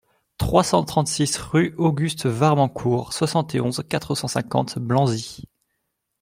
trois cent trente-six rue Auguste Varmancourt, soixante et onze, quatre cent cinquante, Blanzy